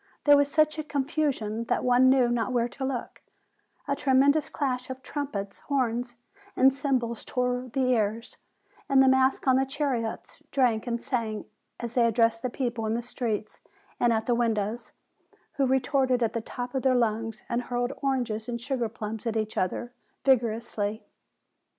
There was such a confu sion that one knew not where to look: a tremendous clash of trumpets, horns, and cymbals tore the ears; and the masks on the chariots drank and sang, as they addressed the people in the streets and at the windows, who retorted at the top of their lungs, and hurled oranges and sugar plums at each other vigorously.